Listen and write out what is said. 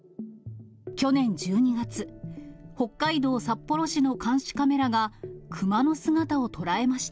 去年１２月、北海道札幌市の監視カメラが、熊の姿を捉えました。